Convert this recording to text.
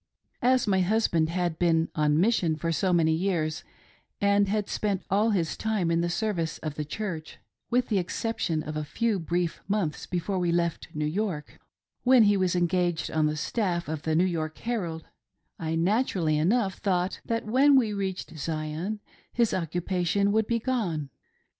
As my husband had been on mission for so many years and had spent all his time in the service of the Church, with the exception of a few brief months before we left New York — when he was engaged on the staff of the New York Herald — I naturally enough thought that when we reached Zion his occupation would be gone.